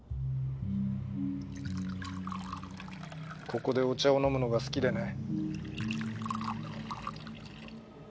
ここでお茶を飲むのが好きでね。